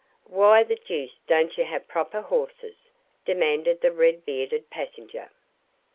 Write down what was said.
"Why the deuce don't you have proper horses?" demanded the red bearded passenger.